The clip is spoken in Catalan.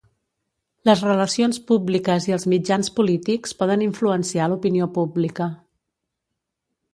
Les relacions públiques i els mitjans polítics poden influenciar l'opinió pública.